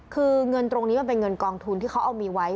คือเงินตรงนี้มันเป็นเงินกองทุนที่เขาเอามีไว้